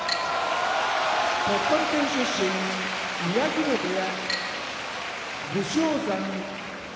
鳥取県出身宮城野部屋武将山